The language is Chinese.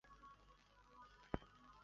殿上匾额都是乾隆帝御书。